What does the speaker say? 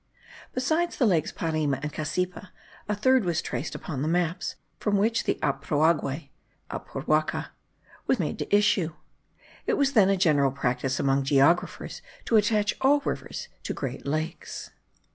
Beside the lakes Parima and Cassipa, a third was traced upon the maps, from which the Aprouague (Apurwaca) was made to issue. It was then a general practice among geographers to attach all rivers to great lakes.